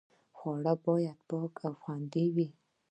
خواړه باید پاک او خوندي وي.